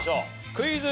クイズ。